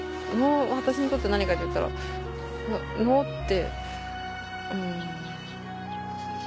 私にとって何かっていったら農って。